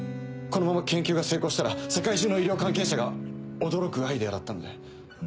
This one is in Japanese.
このまま研究が成功したら世界中の医療関係者が驚くアイデアだったので。